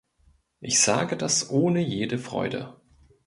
Ich sage das ohne jede Freude.